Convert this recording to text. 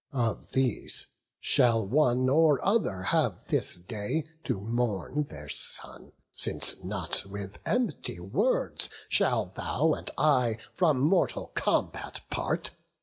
Of these shall one or other have this day To mourn their son; since not with empty words Shall thou and I from mortal combat part.